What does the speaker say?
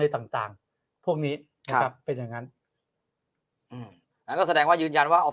ในต่างพวกนี้ครับเป็นอย่างนั้นแสดงว่ายืนยันว่าเอา